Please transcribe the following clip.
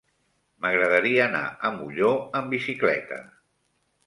M'agradaria anar a Molló amb bicicleta.